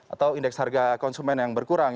atau indeks harga konsumen yang berkurang